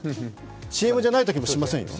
ＣＭじゃないときもしませんよ？